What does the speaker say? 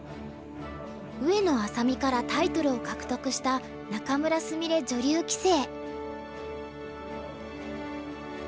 上野愛咲美からタイトルを獲得した仲邑菫女流棋聖。